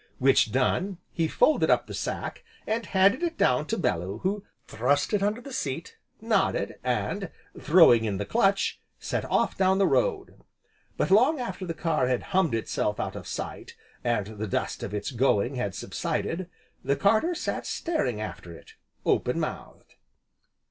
Which done, he folded up the sack, and handed it down to Bellew who thrust it under the seat, nodded, and, throwing in the clutch, set off down the road. But, long after the car had hummed itself out of sight, and the dust of its going had subsided, the carter sat staring after it open mouthed.